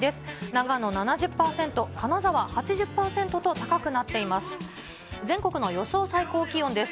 長野７０％、金沢８０％と高くなっています。